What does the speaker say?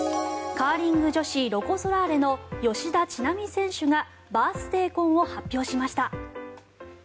カーリング女子ロコ・ソラーレの吉田知那美選手がバースデー婚を発表しました。